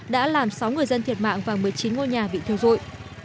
đã làm sáu người dân thiệt mạng và một mươi chín ngôi nhà bị thiêu dụi